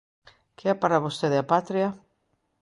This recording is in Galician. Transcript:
Que é para vostede a patria?